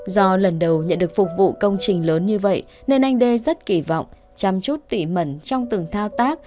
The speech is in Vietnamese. do lần đầu nhận được phục vụ công trình lớn như vậy nên anh đê rất kỳ vọng chăm chút tỉ mẩn trong từng thao tác